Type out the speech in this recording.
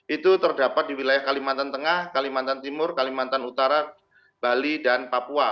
itu terdapat di wilayah kalimantan tengah kalimantan timur kalimantan utara bali dan papua